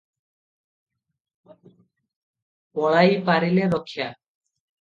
ପଳାଇପାରିଲେ ରକ୍ଷା ।